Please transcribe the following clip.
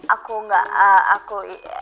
aku gak ehh aku